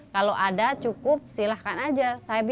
kalau ada cukup silahkan aja